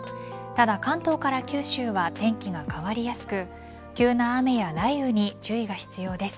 ただ関東から九州は天気が変わりやすく急な雨や雷雨に注意が必要です。